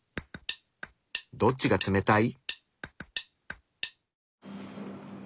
どっちが冷たい？